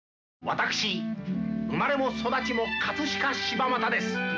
私生まれも育ちも飾柴又です。